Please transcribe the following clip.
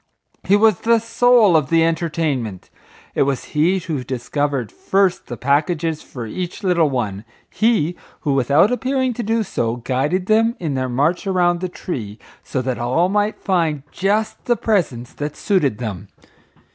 He was the soul of the entertainment. It was he who discovered first the packages for each little one; he who, without appearing to do so, guided them in their march around the tree, so that all might find just the presents that suited them.